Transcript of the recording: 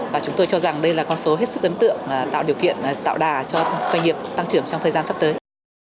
và chúng tôi cho rằng đây là con số hết sức ấn tượng tạo điều kiện tạo đà cho doanh nghiệp tăng trưởng trong thời gian sắp tới